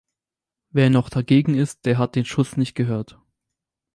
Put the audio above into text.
Wer noch dagegen ist, der hat den Schuss nicht gehört.